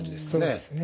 そうですね。